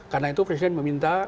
karena itu presiden meminta